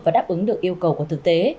và đáp ứng được yêu cầu của thực tế